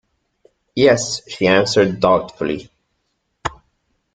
“Yes,” she answered doubtfully.